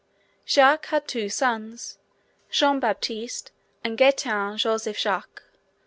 Jacques had two sons, Jean Baptiste and Gaetan Joseph Jacques.